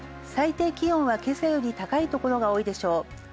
最低気温は今朝より高いところが多いでしょう。